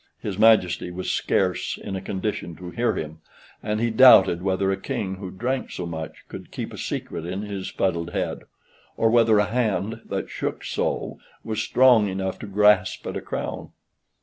His Majesty was scarce in a condition to hear him; and he doubted whether a King who drank so much could keep a secret in his fuddled head; or whether a hand that shook so, was strong enough to grasp at a crown.